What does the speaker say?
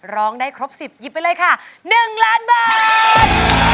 ร้องได้ครบ๑๐หยิบไปเลยค่ะ๑ล้านบาท